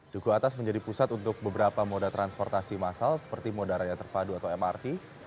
duku atas menjadi pusat untuk beberapa moda transportasi masal seperti moda raya terpadu atau mrt